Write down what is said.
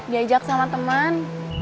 diajak sama teman